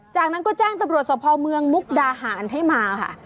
จากนั้นก็แจ้งตำรวจสภเมืองมุกดาหารให้มาค่ะ